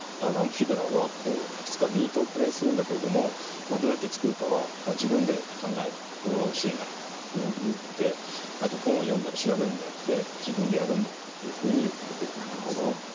アンプ・フィドラーはいくつかビートをプレーするんだけれどもどうやって作るかは自分で考えろと俺は教えないっていうふうに言っててあと本を読んだり調べるんじゃなくて自分でやるんだっていうふうに言ったといわれてますね。